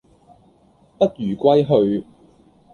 不如歸去